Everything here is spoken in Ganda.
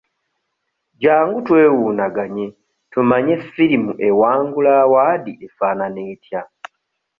Jjangu twewuunaganye tumanye firimu ewangula awaadi efaanana etya?